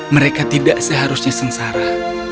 mereka tidak seharusnya sengsara